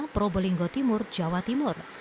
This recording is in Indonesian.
probolinggo timur jawa timur